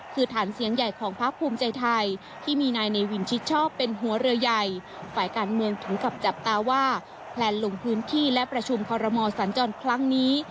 การเมืองถูกกับจับตาว่าแผนลงพื้นที่และประชุมขอรมอสันจรครั้งนี้